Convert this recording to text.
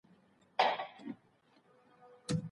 کله چي مي دا کتاب پای ته ورساوه خوشحاله شوم.